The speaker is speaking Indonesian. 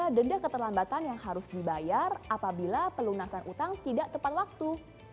ada denda keterlambatan yang harus dibayar apabila pelunasan utang tidak tepat waktu